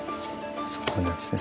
そうなんですね